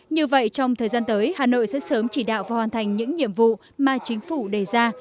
như vậy trong thời gian tới hà nội sẽ sớm chỉ đạo và hoàn thành những nhiệm vụ mà chính phủ đề ra